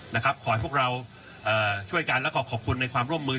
ขอให้พวกเราเอ่อช่วยกันและขอขอบคุณในความร่วมมือ